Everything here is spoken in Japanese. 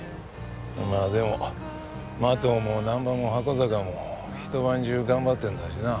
まあでも麻藤も南波も箱坂もひと晩中頑張ってんだしな。